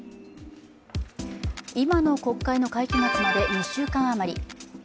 今の国会の会期末まで２週間余り。